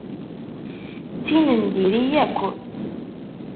D tin n diri yakk.